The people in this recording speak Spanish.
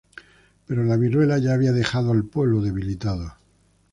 Pero la viruela ya había dejado al pueblo debilitado.